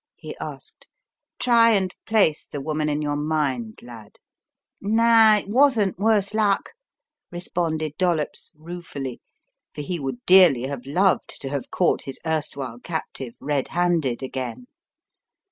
he asked. "Try and place the woman in your mind, lad." "No, it wasn't, worse luck," responded Dollops, ruefully, for he would dearly have loved to have caught his erstwhile captive red handed again.